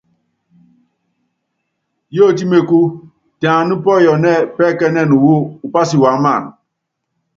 Yiɔtí mekú, tɛ ani pɔyɔnɛ́ɛ́ pɛ́kɛ́ɛ́nɛn wɔ upási wuáman.